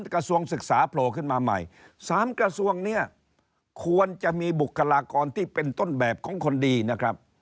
กระทรวงศึกษาโผล่ขึ้นมาใหม่๓กระทรวงเนี่ยควรจะมีบุคลากรที่เป็นต้นแบบของคนดีนะครับ